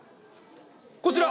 こちら！